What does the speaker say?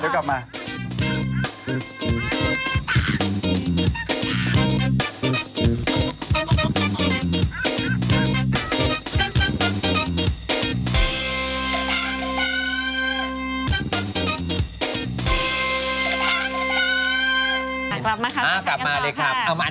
เดี๋ยวกลับมา